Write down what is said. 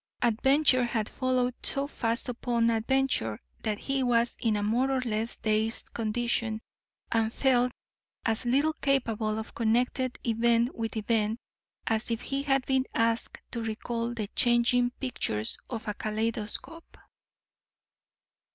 Adventure had followed so fast upon adventure that he was in a more or less dazed condition, and felt as little capable of connecting event with event as if he had been asked to recall the changing pictures of a kaleidoscope.